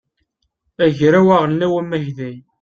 agraw aɣelnaw amagday